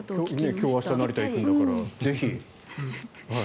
今日明日成田に行くんだから、ぜひ。